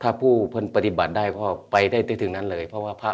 ถ้าผู้พื้นปฏิบัติได้คือไปได้ตรงนั้นเลย